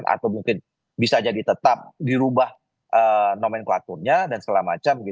atau mungkin bisa jadi tetap dirubah nomenklaturnya dan segala macam